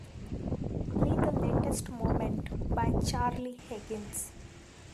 play the latest movement by Charlie Higgins